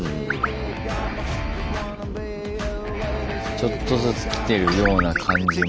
ちょっとずつ来てるような感じも。